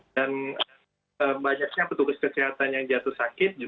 dan banyaknya petugas kesehatan yang jatuh sakit